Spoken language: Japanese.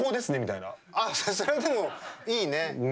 それ、でも、いいね。